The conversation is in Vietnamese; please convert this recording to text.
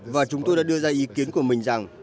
và chúng tôi đã đưa ra ý kiến của mình rằng